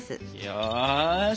よし。